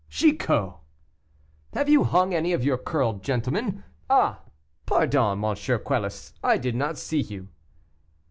"Chicot!" "Have you hung any of your curled gentlemen? Ah! pardon, M. Quelus, I did not see you."